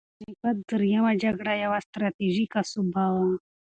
د پاني پت درېیمه جګړه یوه ستراتیژیکه سوبه وه.